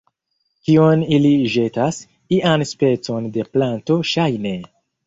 Kion ili ĵetas? ian specon de planto, ŝajne